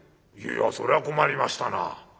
「いやそれは困りましたな。